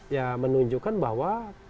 ya menunjukkan bahwa